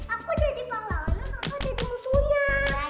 aku jadi musuhnya